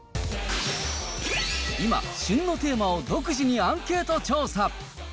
今、旬のテーマを独自にアンケート調査。